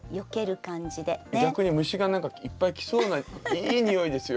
逆に虫が何かいっぱい来そうないい匂いですよ